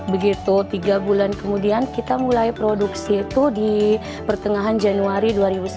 begitu tiga bulan kemudian kita mulai produksi itu di pertengahan januari dua ribu sembilan belas